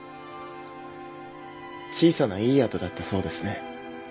小さないい宿だったそうですね。